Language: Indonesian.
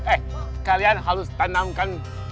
eh kalian halus tanamkan